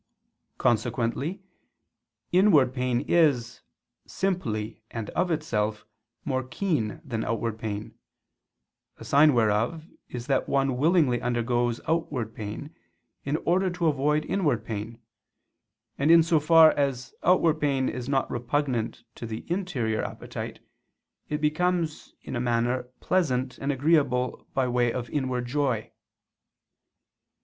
Consequently inward pain is, simply and of itself, more keen than outward pain: a sign whereof is that one willingly undergoes outward pain in order to avoid inward pain: and in so far as outward pain is not repugnant to the interior appetite, it becomes in a manner pleasant and agreeable by way of inward joy.